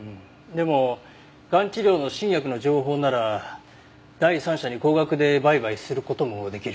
でもがん治療の新薬の情報なら第三者に高額で売買する事も出来る。